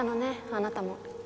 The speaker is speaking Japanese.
あなたも。